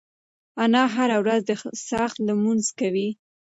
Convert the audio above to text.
انا هره ورځ د څاښت لمونځ کوي.